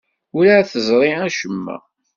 Werɛad teẓri acemma.